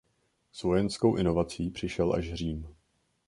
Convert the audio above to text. S vojenskou inovací přišel až Řím.